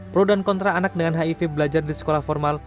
pro dan kontra anak dengan hiv belajar di sekolah formal